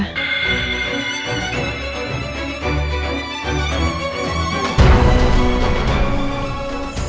buat jep vmware